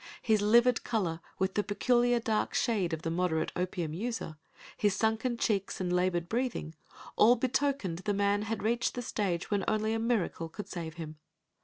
His livid color, with the peculiar dark shade of the moderate opium user, his sunken cheeks and labored breathing, all betokened the man had reached the stage when only a miracle could save him.